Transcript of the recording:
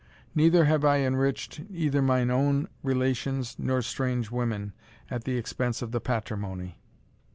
Neither have I enriched either mine own relations nor strange women, at the expense of the Patrimony."